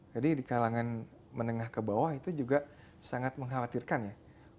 jadi di kalangan menengah ke bawah itu juga sangat mengkhawatirkan ya